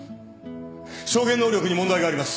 証言能力に問題があります。